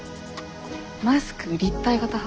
マスク立体型派？